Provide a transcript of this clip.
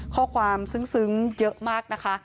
ข้อความซึ้งเยอะมากนะคะ